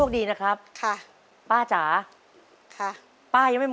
ได้